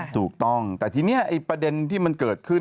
ถูกต้องแต่ทีนี้ประเด็นที่มันเกิดขึ้น